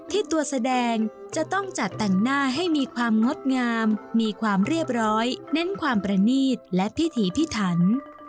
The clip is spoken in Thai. ที่ตัวแสดงจะต้องจัดแต่งหน้าให้มีความงดงามมีความเรียบร้อยเน้นความประนีตและพิถีพิถัน